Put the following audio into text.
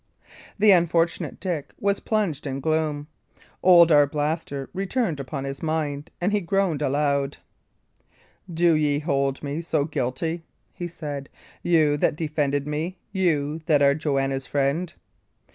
The unfortunate Dick was plunged in gloom. Old Arblaster returned upon his mind, and he groaned aloud. "Do ye hold me so guilty?" he said; "you that defended me you that are Joanna's friend?"